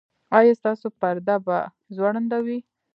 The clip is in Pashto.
ایا ستاسو پرده به ځوړنده وي؟